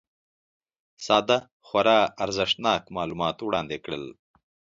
ساده خورا ارزښتناک معلومات وړاندي کړل